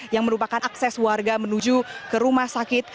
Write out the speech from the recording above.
yang merupakan akses warga menuju ke rumah sakit